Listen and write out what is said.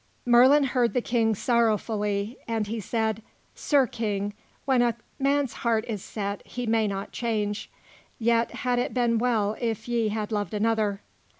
Merlin heard the King sorrowfully, and he said: "Sir King, when a man's heart is set, he may not change. Yet had it been well if ye had loved another."